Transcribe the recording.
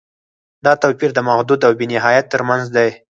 دا توپیر د محدود او بې نهایت تر منځ دی.